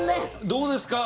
どうですか？